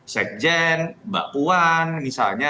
sekjen mbak puan misalnya